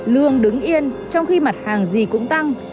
lương đứng yên trong khi mặt hàng gì cũng tăng